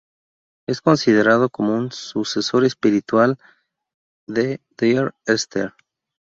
Es considerado como un "sucesor espiritual" de Dear Esther.